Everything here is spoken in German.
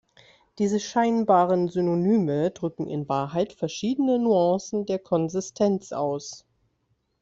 Diese scheinbaren Synonyme drücken in Wahrheit verschiedene Nuancen der Konsistenz aus.